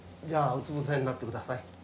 じゃあうつぶせになってください。